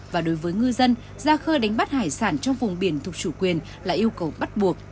và đối với ngư dân ra khơi đánh bắt hải sản trong vùng biển thuộc chủ quyền là yêu cầu bắt buộc